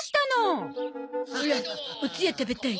オラおつや食べたい。